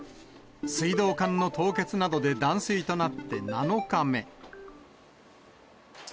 水道管の凍結などで断水となって７日目。